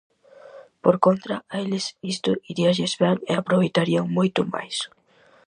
Por contra, a eles isto iríalles ben e aproveitarían moito máis.